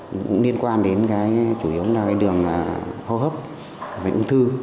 cũng liên quan đến cái chủ yếu là cái đường hốp bệnh ung thư